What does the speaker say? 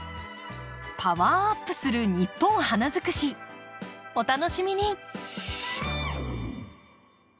パワーアップする「ニッポン花づくし」お楽しみに！